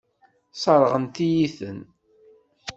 Sseṛɣent-iyi-ten.